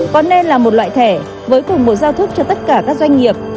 có nên là một loại thẻ với cùng một giao thức cho tất cả các doanh nghiệp